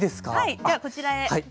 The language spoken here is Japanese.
じゃあこちらへどうぞ。